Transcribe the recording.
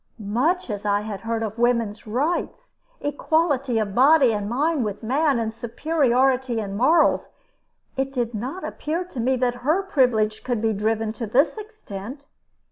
Much as I had heard of woman's rights, equality of body and mind with man, and superiority in morals, it did not appear to me that her privilege could be driven to this extent.